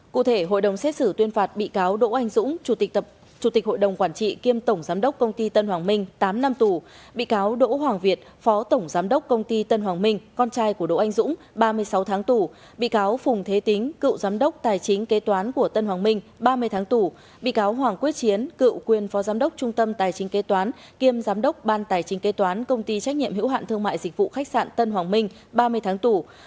cụ thể hội đồng xét xử tuyên phạt bị cáo đỗ anh dũng chủ tịch hội đồng quản trị kiêm tổng giám đốc công ty tân hoàng minh tám năm tù bị cáo đỗ hoàng việt phó tổng giám đốc công ty tân hoàng minh con trai của đỗ anh dũng ba mươi sáu tháng tù bị cáo phùng thế tính cựu giám đốc tài chính kế toán của tân hoàng minh ba mươi tháng tù bị cáo hoàng quyết chiến cựu quyền phó giám đốc trung tâm tài chính kế toán kiêm giám đốc ban tài chính kế toán công ty trách nhiệm hữu hạn thương mại dịch vụ khách sạn tân hoàng